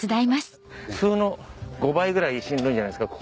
普通の５倍ぐらいしんどいんじゃないですか。